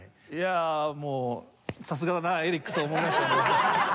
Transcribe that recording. いやあもう「さすがだなエリック！」と思いましたよ。